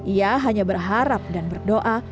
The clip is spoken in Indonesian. ia hanya berharap dan berdoa